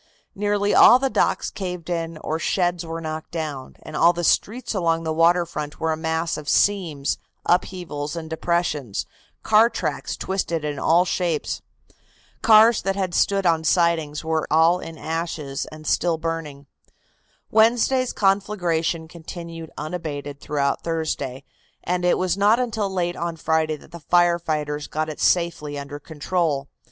Nearly all the docks caved in or sheds were knocked down, and all the streets along the water front were a mass of seams, upheavals and depressions, car tracks twisted in all shapes. Cars that had stood on sidings were all in ashes and still burning." Wednesday's conflagration continued unabated throughout Thursday, and it was not until late on Friday that the fire fighters got it safely under control.